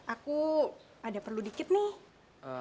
aku ada perlu dikit nih